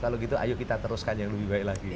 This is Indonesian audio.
kalau gitu ayo kita teruskan yang lebih baik lagi